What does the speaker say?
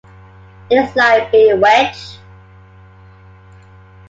It is like bewitched.